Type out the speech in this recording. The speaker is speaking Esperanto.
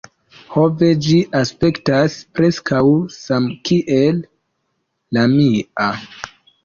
"Ho, ve. Ĝi aspektas preskaŭ samkiel la mia!"